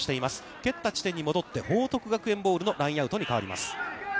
蹴った地点に戻って報徳学園ボールのラインアウトに変わります。